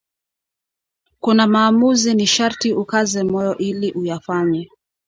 kuna maamuzi ni sharti ukaze moyo ili uyafanye